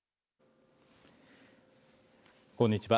こんにちは。